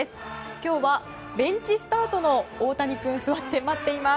今日はベンチスタートのオオタニくん座って待っています。